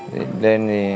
thì lên thì